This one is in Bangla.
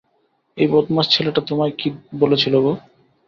ওই বদমাশ ছেলেটা তোমায় কী বলছিল গো?